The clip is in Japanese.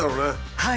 はい。